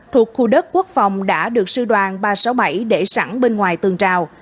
thuộc khu đất quốc phòng đã được sư đoàn ba trăm sáu mươi bảy để sẵn bên ngoài tường trào